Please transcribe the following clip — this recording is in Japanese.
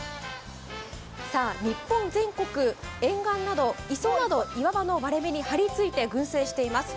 日本全国、沿岸など磯など岩場の割れ目に張り付いて群生しています。